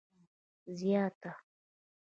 زیاته